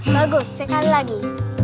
bagus sekali lagi